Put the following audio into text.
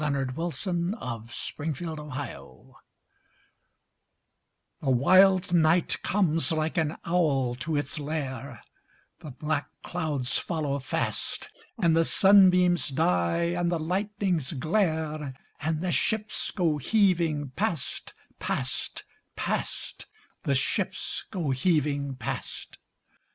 God Help Our Men at Sea The wild night comes like an owl to its lair, The black clouds follow fast, And the sun gleams die, and the lightnings glare, And the ships go heaving past, past, past The ships go heaving past!